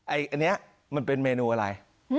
อันนี้มันเป็นเมนูอะไร